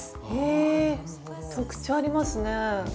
え特徴ありますね。